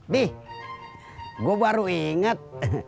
bi gua baru inget